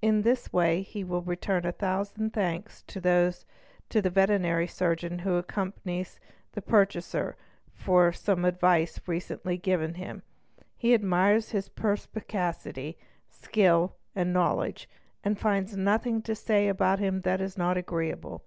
In this way he will return a thousand thanks to the veterinary surgeon who accompanies the pur chaser for some advice recently given him, he admires his perspicacity, ) skill, and knowledge, and finds nothing to say about him that is not |_ agreeable.